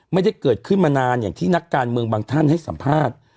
ไม่ได้เกิดขึ้นมานานอย่างที่นักการเมืองบางท่านให้สัมภาษณ์